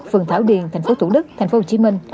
phường thảo điền tp thủ đức tp hcm